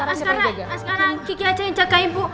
iya iya iya askaran kiki aja yang jagain bu